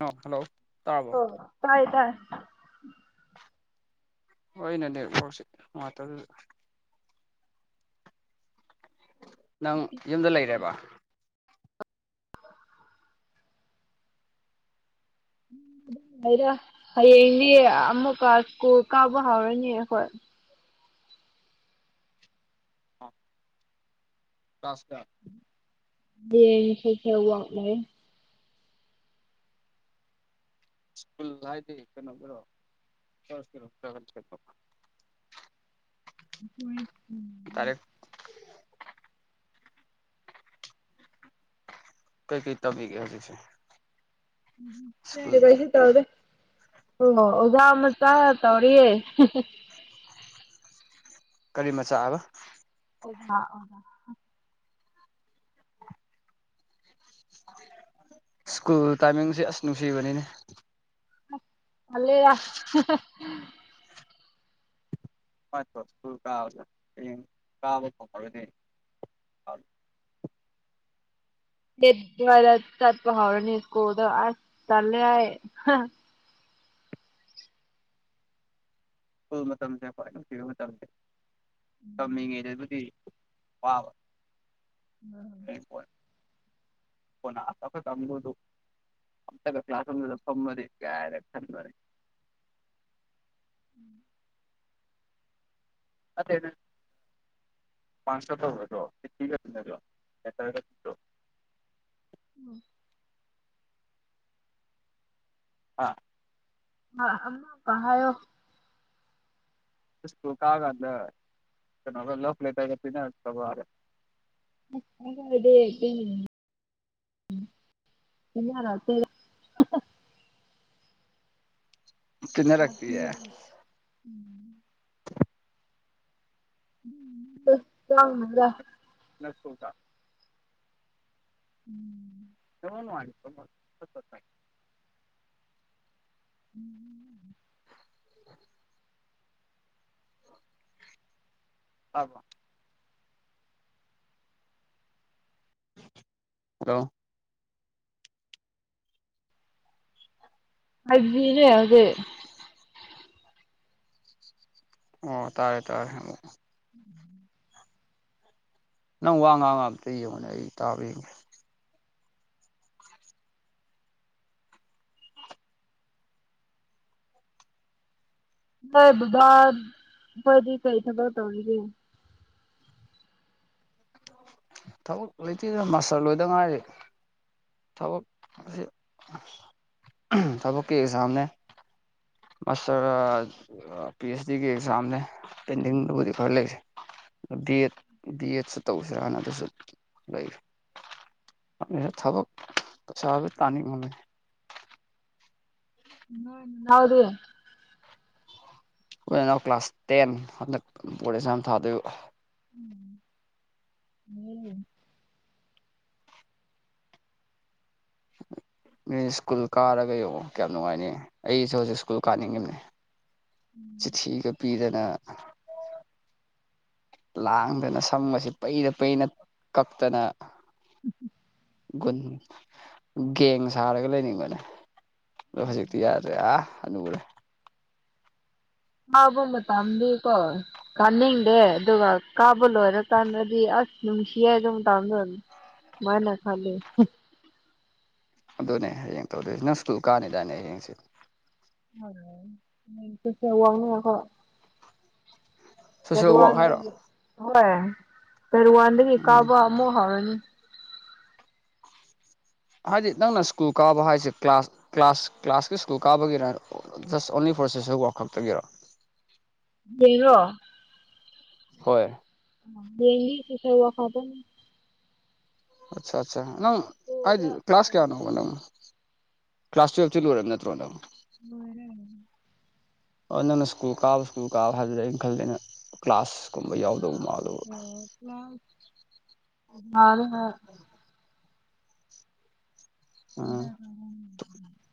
ꯑꯥ hello ꯇꯥꯔꯕꯣ ꯑꯣ ꯇꯥꯔꯦ ꯇꯥꯔꯦ ꯍꯣ ꯑꯩꯅꯅꯦ ꯄꯥꯎꯁꯤ ꯅꯨꯉꯥꯏꯇꯕꯗꯨꯗ ꯅꯪ ꯌꯨꯝꯗ ꯂꯩꯔꯦꯕ ꯂꯩꯔꯦ ꯍꯌꯦꯡꯗꯤ ꯑꯃꯨꯛꯀ ꯁ꯭ꯀꯨꯜ ꯀꯥꯕ ꯍꯧꯔꯅꯤ ꯑꯩꯈꯣꯏ ꯑꯥ ꯇꯥꯁꯇ [unintelligible] ꯁ꯭ꯀꯨꯜ ꯍꯥꯏꯗꯤ ꯀꯩꯅꯣꯒꯤꯔꯣ [unintelligible] ꯗꯥꯏꯔꯦꯛ [unintelligible] ꯀꯩ ꯀꯩ ꯇꯧꯕꯤꯒꯦ ꯍꯧꯖꯤꯛꯁꯦ [unintelligible] ꯁ꯭ꯀꯨꯜꯗ ꯀꯩꯁꯨ ꯇꯧꯗꯦ ꯑꯣ ꯑꯣꯖꯥ ꯃꯆꯥ ꯇꯧꯔꯤꯌꯦ ꯀꯔꯤ ꯃꯆꯥꯑꯕ ꯑꯣꯖꯥ ꯑꯣꯖꯥ ꯁ꯭ꯀꯨꯜ ꯇꯥꯏꯃꯤꯡꯁꯦ ꯑꯁ ꯅꯨꯡꯁꯤꯕꯅꯤꯅꯦ ꯍꯜꯂꯦꯌꯥ [unintelligible] ꯁ꯭ꯀꯨꯜ ꯀꯥꯕꯗ ꯍꯌꯦꯡ ꯀꯥꯕ ꯐꯪꯉꯔꯣꯏꯗꯣꯏꯅꯦ ꯑꯦꯠ ꯁ꯭ꯋꯥꯏꯗ ꯆꯠꯄ ꯍꯧꯔꯅꯤ ꯁ꯭ꯀꯨꯜꯗ ꯑꯁ ꯇꯜꯂꯦ ꯍꯥꯏꯌꯦ ꯁ꯭ꯀꯨꯜ ꯃꯇꯝꯁꯦ ꯈ꯭ꯋꯥꯏ ꯅꯨꯡꯁꯤꯕ ꯃꯇꯝꯁꯦ ꯇꯝꯃꯤꯉꯩꯗꯕꯨꯗꯤ ꯋꯥꯕ ꯎꯝ ꯍꯣꯏ [unintelligible] ꯇꯝꯗꯣꯏꯗꯨ ꯑꯝꯇꯒ ꯀ꯭ꯂꯥꯁ ꯔꯨꯝꯗꯨꯗ ꯐꯝꯃꯗꯤ ꯀꯥꯏꯅ ꯈꯟꯕꯅꯤ ꯅꯠꯇꯦꯗ ꯄꯥꯁꯀꯥ ꯇꯧꯔꯗ꯭ꯔꯣ ꯆꯤꯊꯤꯒ ꯏꯟꯅꯗ꯭ꯔꯣ ꯂꯦꯇꯔꯒ [unintelligible] ꯎꯝ ꯑꯥ ꯑ ꯑꯃꯨꯛꯀ ꯍꯥꯏꯌꯣ ꯁ꯭ꯀꯨꯜ ꯀꯥꯒꯥꯟꯗ ꯀꯩꯅꯣꯒ ꯂꯚ ꯂꯦꯇꯔꯒ ꯄꯤꯅꯔꯛꯇꯕ꯭ꯔꯕ [unintelligible] ꯄꯤꯅꯔꯛꯇꯦ ꯄꯤꯅꯔꯛꯇꯤꯌꯦ ꯎꯝ [unintelligible] [unintelligible] ꯎꯝ [unintelligible] ꯎꯝ [unintelligible] ꯇꯥꯕ꯭ꯔꯣ ꯍꯜꯂꯣ ꯑꯥꯏꯖꯤꯅꯦ ꯍꯧꯖꯤꯛ ꯑꯣ ꯇꯥꯔꯦ ꯇꯥꯔꯦ ꯑꯣ [inaudible] ꯅꯪ ꯋꯥ ꯉꯥꯡꯉ ꯑꯝꯇ ꯌꯦꯡꯉꯨꯅꯦ ꯑꯩ ꯇꯥꯕ꯭ꯔ ꯌꯦꯡꯒꯦ ꯅꯣꯏ ꯕꯕꯥꯠ ꯈꯣꯏꯗꯤ ꯀꯩ ꯊꯕꯛ ꯇꯧꯔꯤꯒꯦ ꯊꯕꯛ ꯂꯩꯇꯦꯗ ꯃꯥꯁꯇꯔ ꯂꯣꯏꯗ ꯉꯥꯏꯔꯤ ꯊꯕꯛ ꯑꯁꯤ ꯊꯕꯛꯀꯤ ꯑꯦꯛꯖꯥꯝꯅꯦ ꯃꯥꯁꯇꯔ ꯑ ꯄꯤ ꯑꯩꯆ ꯗꯤꯒꯤ ꯑꯦꯛꯖꯥꯝꯅꯦ ꯄꯦꯟꯗꯤꯡꯗꯨꯕꯨꯗꯤ ꯈꯔ ꯂꯩꯔꯤ ꯗꯤ ꯑꯦꯠ ꯗꯤ ꯑꯦꯠꯁꯨ ꯇꯧꯁꯤꯔ ꯑꯥꯅ ꯑꯗꯨꯁꯨ ꯂꯩꯔꯤ ꯈꯪꯗꯦꯗ ꯊꯕꯛ ꯄꯩꯁꯥꯖꯦ ꯇꯥꯅꯤꯡꯕꯅꯦ ꯅꯣꯏ ꯅꯅꯥꯎꯗꯤ ꯑꯩꯈꯣꯏ ꯅꯅꯥꯎ ꯀ꯭ꯂꯥꯁ ꯇꯦꯟ ꯍꯟꯗꯛ ꯕ꯭ꯔꯣꯗ ꯑꯦꯛꯖꯥꯝ ꯊꯥꯗꯣꯏꯕ [unintelligible] [inaudible] ꯃꯤ ꯁ꯭ꯀꯨꯜ ꯀꯥꯔꯒ ꯌꯦꯡꯑꯣ ꯀꯌꯥꯝ ꯅꯨꯡꯉꯥꯏꯅꯤ ꯑꯩꯁꯨ ꯍꯧꯖꯤꯛ ꯁ꯭ꯀꯨꯜ ꯀꯥꯅꯤꯡꯉꯤꯕꯅꯦ ꯆꯤꯊꯤꯒ ꯄꯤꯗꯅ ꯂꯥꯡꯗꯅ ꯁꯝꯒꯁꯤ ꯄꯩꯔ ꯄꯩꯅ ꯀꯛꯇꯅ [unintelligible] ꯒꯨꯟ ꯒꯦꯡ ꯁꯥꯔꯒ ꯂꯩꯅꯤꯡꯕꯅꯦ ꯑꯗꯣ ꯍꯧꯖꯤꯛꯇꯤ ꯌꯥꯗ꯭ꯔꯦ ꯑꯥ ꯍꯅꯨꯔꯦ ꯉꯥꯎꯕ ꯃꯇꯝꯗꯤꯀꯣ ꯀꯥꯅꯤꯡꯗꯦ ꯑꯗꯨꯒ ꯀꯥꯕ ꯂꯣꯏꯔꯀꯥꯟꯗꯗꯤ ꯑꯁ ꯅꯨꯡꯁꯤꯌꯦ ꯑꯗꯨ ꯃꯇꯝꯗꯣ [unintelligible] ꯁꯨꯃꯥꯏꯅ ꯈꯜꯂꯤ ꯑꯗꯨꯅꯦ ꯍꯌꯦꯡ ꯇꯧꯗꯣꯏꯁꯤ ꯅꯪ ꯁ꯭ꯀꯨꯜ ꯀꯥꯅꯤꯗꯥꯏꯅꯦ ꯍꯌꯦꯡꯁꯦ [unintelligible] ꯗꯦꯠ ꯁꯣꯁꯦꯜ ꯋꯥꯔꯛ ꯍꯥꯏꯔꯣ ꯋꯥꯟꯗꯒꯤ ꯍꯣꯏ ꯗꯦꯠ ꯋꯥꯟꯗꯒꯤ ꯗꯩ ꯎꯝ ꯀꯥꯕ ꯑꯃꯨꯛ ꯍꯧꯔꯅꯤ ꯍꯥꯏꯗꯤ ꯅꯪꯅ ꯁ꯭ꯀꯨꯜ ꯀꯥꯕ ꯍꯥꯏꯁꯦ ꯀ꯭ꯂꯥꯁ ꯀ꯭ꯂꯥꯁ ꯀ꯭ꯂꯥꯁꯀꯤ ꯁ꯭ꯀꯨꯜ ꯀꯥꯕꯒꯤꯔ just only for social work ꯈꯛꯇꯒꯤꯔꯣ [unintelligible] ꯍꯣꯏ ꯍꯌꯦꯡꯗꯤ ꯁꯣꯁꯦꯜ ꯋꯥꯛ ꯈꯛꯇꯅꯤ ꯑꯠꯁꯥ ꯑꯠꯁꯥ ꯅꯪ ꯍꯥꯏꯗꯤ ꯁ꯭ꯀꯨꯜꯗ ꯀ꯭ꯂꯥꯁ ꯇꯧꯕꯅꯤ꯫ ꯀꯌꯥꯅꯣꯕ ꯅꯪ ꯀ꯭ꯂꯥꯁ ꯇꯨꯌꯦꯜꯞꯇꯤ ꯂꯣꯏꯔꯕ ꯅꯠꯇ꯭ꯔꯣ ꯅꯪ ꯂꯣꯏꯔꯦ ꯑꯣ ꯅꯪꯅ ꯁ꯭ꯀꯨꯜ ꯀꯥꯕ ꯁ꯭ꯀꯨꯜ ꯀꯥꯕ ꯍꯥꯏꯕꯗꯨꯗ ꯑꯩꯅ ꯈꯜꯂꯤꯅ ꯀ꯭ꯂꯥꯁ ꯀꯨꯝꯕ ꯌꯥꯎꯗꯧꯕ ꯃꯥꯜ ꯑꯣ ꯀ꯭ꯂꯥꯁ ꯅꯥꯗ ꯅ ꯎꯝ [unintelligible]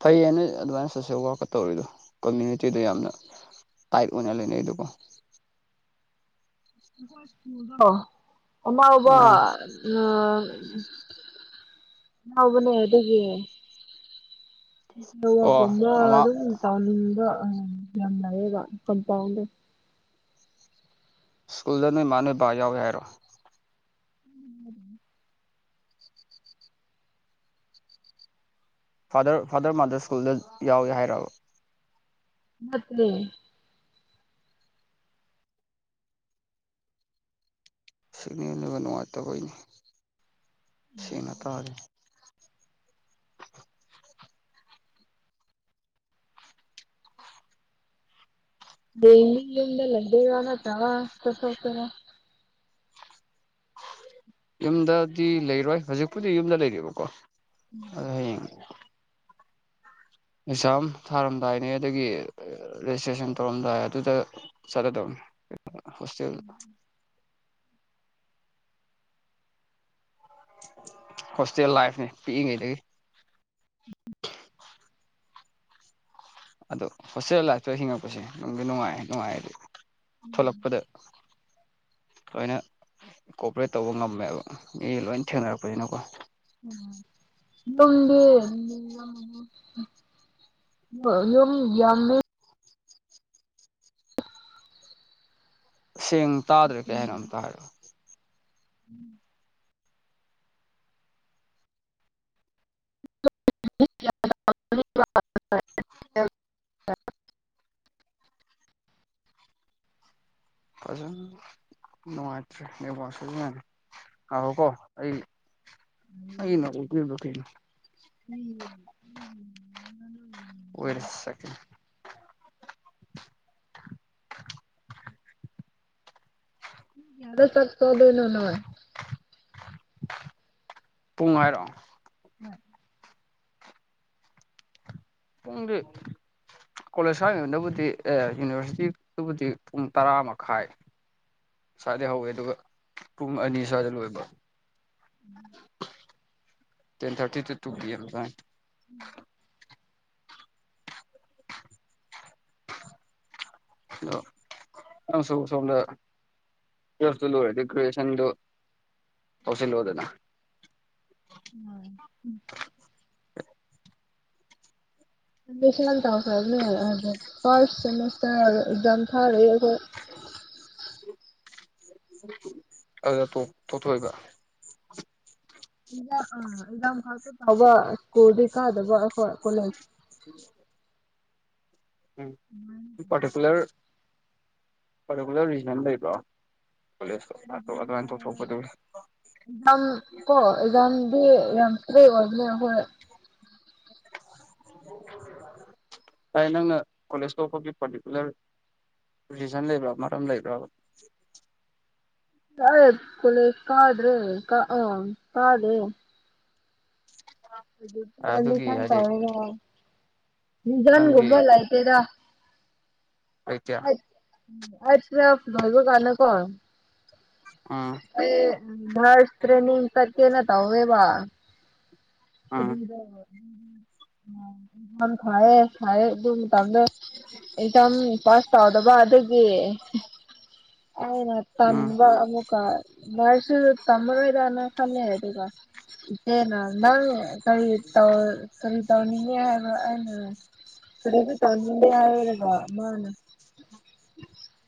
ꯐꯩꯌꯦ ꯅꯣꯏ ꯑꯗꯨꯃꯥꯏꯅ ꯁꯣꯁꯦꯜ ꯋꯥꯔꯛꯀ ꯇꯧꯔꯤꯗꯣ ꯀꯃ꯭ꯌꯨꯅꯤꯇꯤꯗꯣ ꯌꯥꯝꯅ ꯇꯥꯏꯠ ꯑꯣꯏꯅ ꯂꯩꯅꯩꯗꯨꯀꯣ [unintelligible] ꯁ꯭ꯀꯨꯜꯗꯣ ꯑꯃꯥꯎꯕ ꯑꯥ ꯑꯥ ꯉꯥꯎꯕꯅꯦ ꯑꯗꯨꯒꯤ ꯑꯣ [unintelligible] ꯃꯃꯥ ꯑꯗꯨꯝ ꯇꯥꯎꯅꯤꯡꯕ ꯑ ꯌꯥꯝꯅꯔꯦꯕ ꯀꯝꯄꯥꯎꯟꯖꯦ ꯁ꯭ꯀꯨꯜꯗ ꯅꯣꯏ ꯃꯥꯥ ꯅꯣꯏ ꯕꯥ ꯌꯥꯎꯒꯦ ꯍꯥꯏꯔꯣ ꯐꯥꯗꯔ ꯐꯥꯗꯔ ꯃꯥꯗꯔ ꯁ꯭ꯀꯨꯜꯗ ꯌꯥꯎꯏꯒꯦ ꯍꯥꯏꯔꯥꯕ ꯅꯠꯇꯦ ꯁꯤꯛꯅꯦꯜꯅꯒ ꯅꯨꯡꯉꯥꯏꯇꯕꯩꯅꯦ ꯁꯦꯡꯅ ꯇꯥꯔꯦ ꯗꯦꯜꯂꯤ ꯌꯨꯝꯗ ꯂꯩꯗꯣꯏꯔꯥ ꯅꯠꯇ꯭ꯔꯒ ꯆꯠꯊꯣꯛꯇꯣꯏꯔꯥ ꯌꯨꯝꯗꯗꯤ ꯂꯩꯔꯣꯏ ꯍꯧꯖꯤꯛꯄꯨꯗꯤ ꯌꯨꯝꯗ ꯂꯩꯔꯤꯕꯀꯣ ꯑꯗꯣ ꯍꯌꯦꯡ ꯑꯦꯛꯖꯥꯝ ꯊꯥꯔꯝꯗꯥꯏꯅꯦ ꯑꯗꯒꯤ ꯔꯦꯖꯤꯁꯇ꯭ꯔꯦꯁꯟ ꯇꯧꯔꯝꯗꯥꯏ ꯑꯗꯨꯗ ꯆꯠꯂꯗꯧꯅꯦ ꯍꯣꯁꯇꯦꯜ ꯍꯣꯁꯇꯦꯜ ꯂꯥꯏꯐꯅꯦ ꯄꯤꯛꯏꯉꯩꯗꯒꯤ ꯑꯗꯣ ꯍꯣꯁꯇꯦꯜ ꯂꯥꯏꯐꯇ ꯍꯤꯡꯉꯛꯄꯁꯦ ꯅꯨꯡꯗꯤ ꯅꯨꯡꯉꯥꯏ ꯅꯨꯡꯉꯥꯏꯑꯗꯤ ꯊꯣꯂꯛꯄꯗ ꯂꯣꯏꯅ ꯀꯣꯄ꯭ꯔꯦꯠ ꯇꯧꯕ ꯉꯝꯃꯦꯕ ꯃꯤ ꯂꯣꯏ ꯊꯦꯡꯅꯔꯛꯄꯅꯤꯅꯀꯣ ꯅꯪꯗꯤ [unintelligible] ꯗꫭ ꯑꯗꯨꯝ ꯌꯥꯝꯃꯤ ꯁꯦꯡ ꯇꯥꯗ꯭ꯔꯦ ꯀꯩ ꯍꯥꯏꯅꫭ ꯑꯝꯇ ꯍꯥꯏꯔꯛꯑꯣ [inaudible] [inaudible] ꯐꯖꯟ ꯅꯨꯡꯉꯥꯏꯇ꯭ꯔꯦ ꯅꯦꯋꯥꯛꯁꯦ ꯑꯗꯨꯅꯅꯤ ꯉꯥꯏꯈꫭ ꯀꯣ ꯑꯩ ꯏꯩꯅ ꯎꯠꯄꯤꯕ꯭ꯔ ꯀꯩꯅꫭ [inaudible] ꯋꯦꯠ ꯑꯦ ꯁꯦꯀꯦꯟ ꯀꯌꯥꯗ ꯆꯥꯛ ꯆꯥꯗꫭꯏꯅꯣ ꯅꫭꯏ ꯄꯨꯡ ꯍꯥꯏꯔꫭ ꯍꫭꯏ ꯄꯨꯡꯗꯤ ꯀꯣꯂꯦꯖ ꯁꯀꯥꯔꯤꯉꯩꯗꯕꯨꯗꯤ ꯑꯦ ꯌꯨꯅꯤꯚꯔꯁꯤꯇꯤ ꯗꯨꯕꯨꯗꯤ ꯄꯨꯡ ꯇꯔꯥ ꯃꯈꯥꯏ ꯁ꯭ꯋꯥꯏꯗꯩ ꯍꯧꯋꯦ ꯑꯗꯨꯒ ꯄꯨꯡ ꯑꯅꯤ ꯁ꯭ꯋꯥꯏꯗ ꯂꯣꯏꯕ ten thirty to two P M ꯇꯥꯏ ꯍꯜꯂꯣ ꯅꯪꯁꯨ ꯁꫭꯝꯗ ꯇꯨꯋꯦꯜꯐꯇꫭ ꯂꯣꯏꯔꯗꯤ ꯒ꯭ꯔꯦꯖꯦꯁꯟꯗꯨ ꯇꯧꯁꯤꯜꯂꯣꯗꯅ ꯎꯝ [unintelligible] ꯇꯥꯎꯈ꯭ꯔꯕꯅꯤ ꯑꯗꯨ ꯐꯥꯔꯁ ꯁꯦꯃꯤꯁꯇꯔ ꯑꯦꯛꯖꯥꯝ ꯊꯥꯔꯤ ꯑꯈꯣꯏ ꯑꯗꯨꯗ ꯇꯣꯛ ꯇꫭꯛꯊꫭꯛꯏꯕ [unintelligible] ꯑꯦꯟꯖꯥꯡ ꯈꯇ ꯇꯥꯎꯕ ꯁ꯭ꯀꯨꯜꯗꯤ ꯀꯥꯗꯕ ꯑꯈꯥꯏ ꯀꯣꯂꯦꯖ [inaudible] ꯎꯝ ꯄꯥꯔꯇꯤꯀꯨꯂꯔ ꯄꯥꯔꯇꯤꯀꯨꯂꯔ ꯔꯤꯖꯟ ꯂꯩꯕ꯭ꯔꯣ ꯀꫭꯂꯦꯖꯇꫭ ꯑꯗꯨ ꯑꯗꯨꯃꯥꯏ ꯇꫭꯛꯊꯣꯛꯄꯗꯨ ꯑꯦꯛꯖꯥꯗꯤ ꯌꯥꯝ ꯇ꯭ꯔꯦ ꯑꯣꯏꯕꯅꯦ ꯑꯩꯈꯣꯏ ꯕꯥꯏ ꯅꯪꯅ ꯀꯣꯂꯦꯖ ꯇ‌ꯣꯛꯄꯒꯤ ꯄꯥꯔꯇꯤꯀꯨꯂꯔ ꯔꯤꯖꯟ ꯂꯩꯕ꯭ꯔꯥ ꯃꯔꯝ ꯂꯩꯕ꯭ꯔꯕ ꯌꯥꯠ ꯀꯣꯂꯦꯖ ꯀꯥꯗ꯭ꯔꯦ ꯀ ꯑ ꯀꯥꯗꯦ [inaudible] ꯑꯗꯨꯒꯤ ꯑꯦꯃꯤꯁꯟ ꯍꯥꯏꯗꯤ ꯇꯧꯔꯒ ꯔꯤꯖꯟ ꯅꯪꯒꯤ ꯒꯨꯝꯕ ꯂꯩ ꯂꯩꯇ‌ꯦꯗ ꯀꯩꯀꯌꯥ ꯑꯩ ꯑꯩ ꯇꯨꯌ‌ꯦ꯭ꯜꯞ ꯂ‌ꯣꯏꯕ ꯀꯥꯟꯗꯀ‌ꯣ ꯎꯝ ꯑꯩ ꯅꯥꯔꯁ ꯇ꯭ꯔꯦꯅꯤꯡ ꯆꯠꯀ‌ꯦꯅ‌ ꯇꯧꯋꯦꯕ ꯎꯝ [inaudible] ꯐꯌꯦ ꯐꯌꯦ ꯑꯗꯨꯝ ꯇꯝꯗꫭ ꯑꯦꯛꯖꯥꯝ ꯄꯥꯁ ꯇꯧꯗꯕ ꯑꯗꯨꯒꯤ ꯑꯩꯅ ꯎꯝ ꯇꯟꯕ ꯑꯃꯨꯛ ꯑꯗꯨꯒ ꯂꯥꯏꯔꯤꯛꯁꯨ ꯇꯝꯃꯔ‌ꯣꯏꯗꯅ‌ ꯈꯜꯂ‌ꯦ ꯑꯗꯨꯒ ꯏꯆꯦꯅ ꯅꯪ ꯀꯔꯤ ꯇꯧ ꯀꯔꯤ ꯇꯧꯅꯤꯡꯉꯦ ꯍꯥꯏꯕ ꯑꯩꯅ ꯀꯔꯤꯁꯨ ꯇꯧꯅꯤꯡꯗ‌ꯦ ꯍꯥꯏꯌꯨꯔ‌ꯦꯕ ꯃꯥꯅ [inaudible]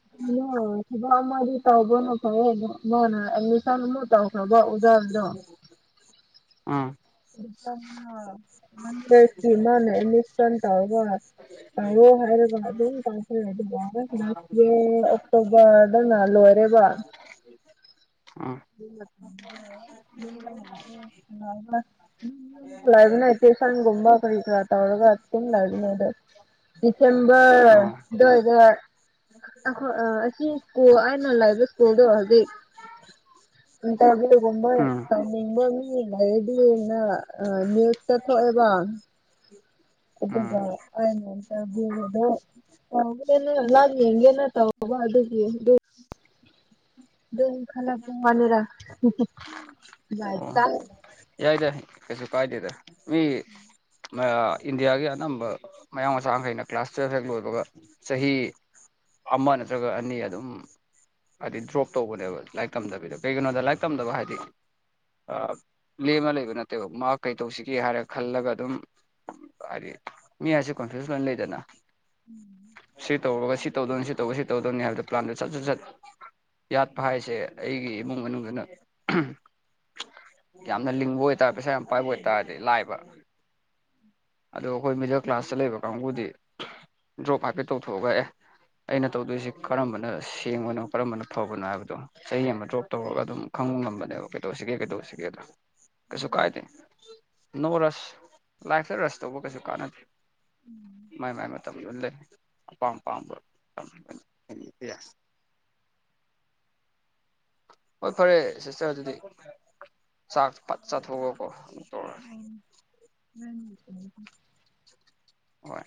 ꯊꯕꯛ ꯑꯃꯗꯤ ꯇꯧꯕꯅ ꯐꯩꯌꯦ [unintelligible] ꯎꯝ [inaudible] ꯑꯦꯃꯤꯁꯟ ꯇꯧꯔꯕ [unintelligible] ꯑꯣꯛꯇꯣꯕꯔ ꯍꯟꯇꯛꯅ ꯂ‌ꯣꯏ ꯎꯝ [unintelligible] ꯂꯩꯕꯅ‌ꯦ ꯇꯨꯏꯁꯟꯒꯨꯝꯕ ꯀꯔꯤꯀꯔꯥ ꯇꯧꯔꯒ ꯑꯗꯨꯝ ꯂꯩꯕꯅ‌ꯦ ꯗꯤꯁꯦꯝꯕꯔ ꯑꯣ ꯑꯗꯨꯋꯥꯏꯗ ꯑꯈ‌ꯣꯏ ꯑꯥ ꯉꯁꯤ ꯁ꯭ꯀꯨꯜ ꯑꯩꯅ ꯂꯩꯕ ꯁ꯭ꯀꯨꯜꯗ‌ꯣ ꯍꯖꯤꯛ ꯏꯟꯇꯔꯕ꯭ꯌꯨꯒꯨꯝꯕ ꯑꯣꯢꯅ ꯎꯝ ꯇꯧ ꯅꯤꯡꯕ ꯃꯤ ꯂꯩꯥꯔꯗꯤꯅ ꯑꯥ ꯅ꯭ꯌꯨꯁꯇ ꯊꯣꯛꯑꯦꯕ ꯎꯝ ꯑꯗꯨꯒ ꯍꯧꯔꯦꯟ ꯏꯟꯇꯔꯕꯤꯌꯨꯗ‌ꯣ ꯇꯧꯒ‌ꯦꯅ ꯂꯥꯛ ꯌ‌ꯦꯡꯒ‌ꯦꯅ ꯇꯧ ꯇꯧꯕ ꯑꯗꯨꯒꯤ ꯗꯨ ꯗꯨꯝ ꯈꯜꯂꯛꯄ ꯋꯥꯅꯤꯗ ꯂꯥꯏ꯭ꯞ ꯑꯣ ꯏꯁꯇꯥꯜ ꯌꯥꯏꯗ ꯀꯩꯁꯨ ꯀꯥꯏꯗꯦꯗ ꯃꯤ ꯏꯟꯗꯤꯌꯥꯒꯤ ꯑꯅꯝꯕ ꯃꯌꯥꯡ ꯃꯆꯥꯈꯩꯅ ꯀ꯭ꯂꯥꯁ ꯇꯨꯌꯦꯜꯕ ꯍꯦꯛ ꯂꯣꯏꯕꯒ ꯆꯍꯤ ꯑꯃ ꯅꯠꯇ꯭ꯔꯒ ꯑꯅꯤ ꯑꯗꯨꯝ ꯍꯥꯏꯗꯤ ꯗ꯭ꯔꯣꯞ ꯇꯧꯕꯅꯦꯕ ꯇꯝꯗꯕꯤꯗ ꯀꯩꯒꯤꯅꯣꯗ ꯂꯥꯏꯔꯤꯛ ꯇꯝꯗꯕ ꯍꯥꯏꯗꯤ ꯂꯦꯝꯃ ꯂꯩꯕ ꯅꯠꯇꯦꯕ ꯃꯥ ꯀꯩꯗꯧꯁꯤꯒꯦ ꯍꯥꯏꯔ ꯈꯜꯂꯒ ꯑꯗꯨꯝ ꯍꯥꯏꯗꯤ ꯃꯤ ꯍꯥꯏꯁ‌ꯦ ꯀꯣꯟꯐ꯭ꯌꯨꯁ ꯂ‌ꯣꯏ ꯂꯩꯗꯅ ꯁꯤ ꯇꯧꯔꯣꯢ ꯁꯤ ꯇꯧꯗꯧꯅꯤ ꯁꯤ ꯇꯧꯔ ꯁꯤ ꯇꯧꯗꯧꯅꯤ ꯍꯥꯏꯕꯗꯣ ꯄ꯭ꯂꯥꯟꯗꯣ ꯁꯠ ꯁꯠ ꯂꯠ ꯌꯥꯠꯄ ꯍꯥꯏꯁꯦ ꯑꯩꯒꯤ ꯏꯃꯨꯡ ꯃꯅꯨꯡꯗꯨꯅ ꯌꯥꯝꯅ ꯂꯤꯡꯕ ꯑꯣꯏꯇꯥꯔ ꯄꯩꯁꯥ ꯌꯥꯝ ꯄꯥꯏꯕ ꯑꯣꯏꯇꯥꯔꯗꯤ ꯂꯥꯏꯕ ꯑꯗꯣ ꯑꯈꯣꯏ ꯃꯤꯗꯜ ꯀ꯭ꯂꯥꯁꯇ ꯂꯩꯕ ꯀꯥꯡꯕꯨꯗꯤ ꯗ꯭ꯔꯣꯞ ꯍꯥꯏꯐꯦꯠ ꯇꯧꯊꯣꯛꯑꯒ ꯑꯦ ꯑꯩꯅ ꯇꯧꯗꯣꯏꯁꯤ ꯀꯔꯝꯕꯅ ꯁꯦꯡꯕꯅꯣ ꯀꯔꯝꯕꯅ ꯐꯕꯅꯣ ꯍꯥꯏꯕꯗꯣ ꯆꯍꯤ ꯑꯃ ꯗ꯭ꯔꯣꯞ ꯇꯧꯔꯒ ꯑꯗꯨꯝ ꯈꯪꯕ ꯉꯝꯕꯅꯦꯕ ꯀꯩꯗꯧꯁꯤꯒꯦ ꯀꯩꯗꯧꯁꯤꯒꯦꯗꯣ ꯀꯩꯁꯨ ꯀꯥꯏꯗꯦ ꯅꯣ ꯔꯁ ꯂꯥꯏꯐꯇ ꯔꯁ ꯇꯧꯕ ꯀꯩꯁꯨ ꯀꯥꯟꯅꯗꯦ ꯃꯥꯏ ꯃꯥꯏ ꯃꯇꯝ ꯂꯣꯏ ꯂꯩ ꯑꯄꯥꯝ ꯑꯄꯥꯝꯕ‌ ꯌ‌ꯦꯁ ꯍꯣꯏ ꯐꯔꯦ ꯁꯤꯁꯇꯔ ꯑꯗꯨꯗꯤ ꯆꯥꯛ ꯐꯠ ꯆꯥꯊꯣꯛꯑꯒꯀꯣ ꯑꯃꯨꯛ ꯇꯧꯔꯛꯑꯒ‌ꯦ [inaudible] ꯍꯣꯏ